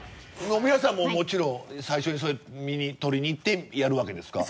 皆さんもうもちろん最初にそれを取りに行ってやるわけですか？